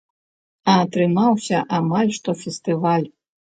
А атрымаўся амаль што фестываль.